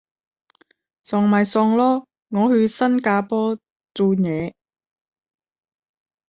送咪送咯，我去新加坡做嘢